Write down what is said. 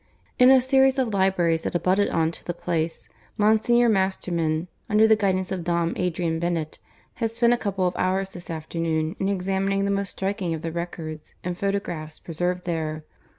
In a series of libraries that abutted on to the Place, Monsignor Masterman, under the guidance of Dom Adrian Bennett, had spent a couple of hours this afternoon in examining the most striking of the records and photographs preserved there.